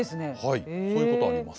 はいそういうことあります。